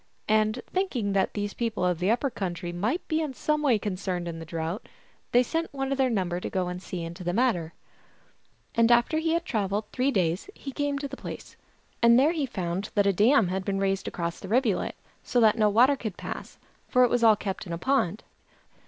And thinking that these people of the upper country might be in some way concerned in the drought, they sent one of their num ber to go and see into the matter. And after he had traveled three days he came to GLOOSKAP THE DIVINITY. 115 the place ; and there he found that a dam had been raised across the rivulet, so that no water could pass, for it was all kept in a pond.